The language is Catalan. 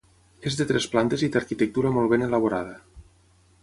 És de tres plantes i d'arquitectura molt ben elaborada.